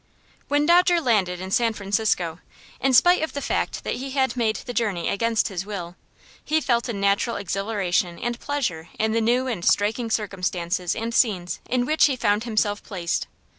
When Dodger landed in San Francisco, in spite of the fact that he had made the journey against his will, he felt a natural exhilaration and pleasure in the new and striking circumstances and scenes in which he found himself placed.